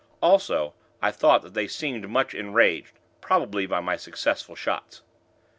Also, I thought that they seemed much enraged, probably by my successful shots.